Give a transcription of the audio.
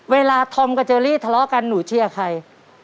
ธอมกับเจอรี่ทะเลาะกันหนูเชียร์ใคร